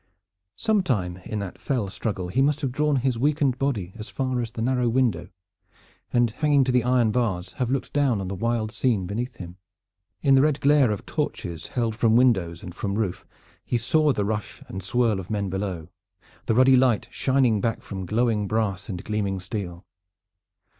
Sometime in that fell struggle he must have drawn his weakened body as far as the narrow window, and hanging to the iron bars have looked down on the wild scene beneath him. In the red glare of torches held from windows and from roof he saw the rush and swirl of men below, the ruddy light shining back from glowing brass and gleaming steel.